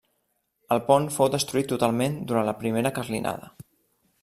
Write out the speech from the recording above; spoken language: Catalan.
El pont fou destruït totalment durant la primera carlinada.